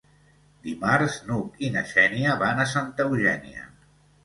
Dimarts n'Hug i na Xènia van a Santa Eugènia.